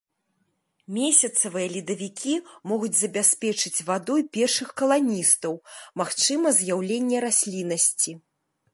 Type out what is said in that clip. Месяцавыя ледавікі могуць забяспечыць вадой першых каланістаў, магчыма з'яўленне расліннасці.